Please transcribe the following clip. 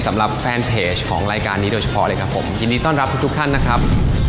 สำหรับแฟนเพจของรายการนี้โดยเฉพาะเลยครับผมยินดีต้อนรับทุกทุกท่านนะครับ